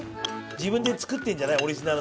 自分で作ってるんじゃない？オリジナルの。